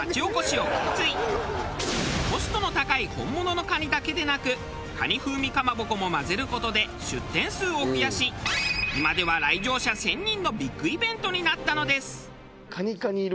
コストの高い本物の蟹だけでなく蟹風味かまぼこも混ぜる事で出店数を増やし今では来場者１０００人のビッグイベントになったのです。